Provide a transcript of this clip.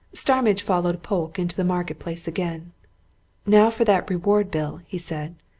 Starmidge followed Polke into the Market Place again. "Now for that reward bill," he said.